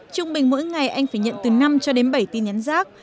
trung bình mỗi ngày anh phải nhận từ năm cho đến bảy tin nhắn rác